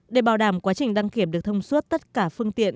để bảo đảm quá trình đăng kiểm được thông suốt tất cả phương tiện